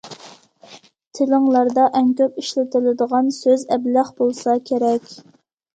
تىلىڭلاردا ئەڭ كۆپ ئىشلىتىلىدىغان سۆز« ئەبلەخ» بولسا كېرەك.